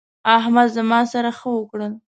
احمد زما سره ښه وکړل.